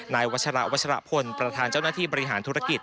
วัชระวัชรพลประธานเจ้าหน้าที่บริหารธุรกิจ